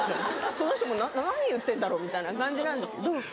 その人も何言ってんだろうみたいな感じなんですけど。